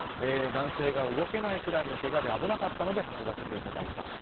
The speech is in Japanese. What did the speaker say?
男性が動けないぐらいのけがで危なかったので運ばせていただいた。